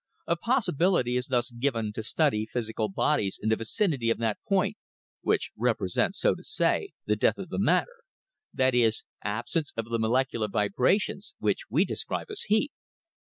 A possibility is thus given to study physical bodies in the vicinity of that point, which represents, so to say, the death of matter that is, absence of the molecular vibrations which we describe as heat."